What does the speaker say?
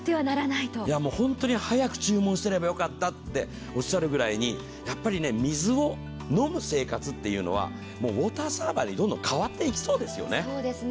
本当に早く注文すればよかったっておっしゃるぐらいにやっぱり水を飲む生活というのは、もうウォーターサーバーにどんどん変わっていきそうですよね。